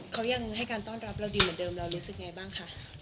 เขายังให้การต้อนรับเราดีเหมือนเดิมเรารู้สึกยังไงบ้างคะ